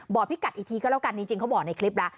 พี่กัดอีกทีก็แล้วกันจริงเขาบอกในคลิปแล้ว